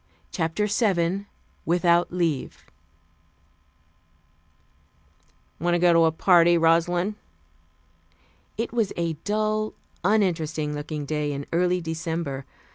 CHAPTER VII WITHOUT LEAVE "Want to go to a party, Rosalind?" It was a dull, uninteresting looking day in early December.